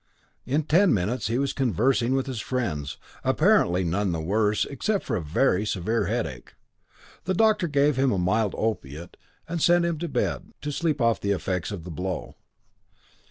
In ten minutes he was conversing with his friends, apparently none the worse except for a very severe headache. The doctor gave him a mild opiate, and sent him to bed to sleep off the effects of the blow.